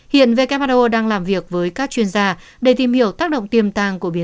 hiện vkpro đang làm việc với các chuyên gia để tìm hiểu tác động tiềm tàng